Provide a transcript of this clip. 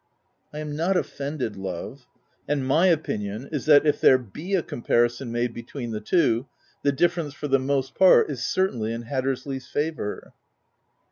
" I am not offended, love ; and my opinion is that if there be a comparison made between the two, the difference, for the most part, is cer tainly in Hattersley's favour.